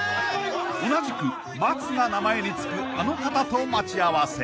［同じく「松」が名前に付くあの方と待ち合わせ］